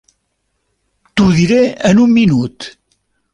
T'ho diré en un minut.